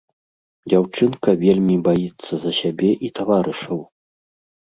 Дзяўчынка вельмі баіцца за сябе і таварышаў.